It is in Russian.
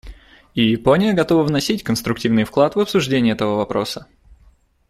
И Япония готова вносить конструктивный вклад в обсуждение этого вопроса.